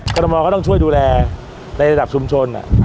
รมอก็ต้องช่วยดูแลในระดับชุมชน